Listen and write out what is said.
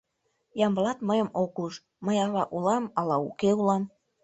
Ямблат мыйым ок уж: мый ала улам, ала уке улам...